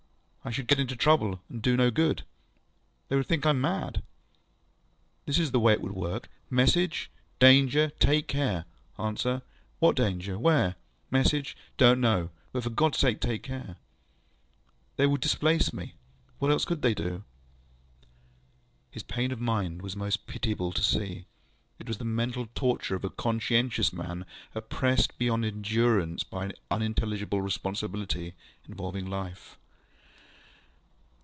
ŌĆ£I should get into trouble, and do no good. They would think I was mad. This is the way it would work, ŌĆöMessage: ŌĆśDanger! Take care! ŌĆÖ Answer: ŌĆśWhat Danger? Where? ŌĆÖ Message: ŌĆśDonŌĆÖt know. But, for GodŌĆÖs sake, take care! ŌĆÖ They would displace me. What else could they do? ŌĆØ His pain of mind was most pitiable to see. It was the mental torture of a conscientious man, oppressed beyond endurance by an unintelligible responsibility involving life.